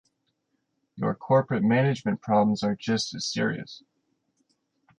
Your corporate management problems are just as serious.